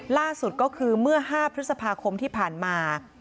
ล่าสุดก็คือเมื่อ๕พฤษภาคมที่ผ่านมา